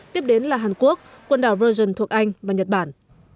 tiếp đến là hàn quốc quần đảo virgin thuộc anh và nhật bản